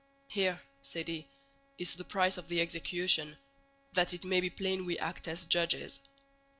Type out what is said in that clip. "Here," said he, "is the price of the execution, that it may be plain we act as judges."